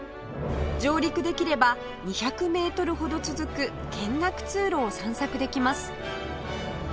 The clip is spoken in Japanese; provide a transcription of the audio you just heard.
上陸できれば２００メートルほど続く見学通路を散策できます